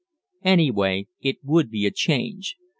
Any way, it would be a change.